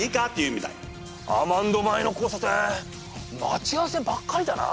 アマンド前の交差点待ち合わせばっかりだな。